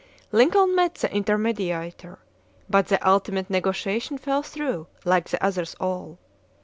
Lincoln met the intermediator, but the ultimate negotiation fell through, like the others all.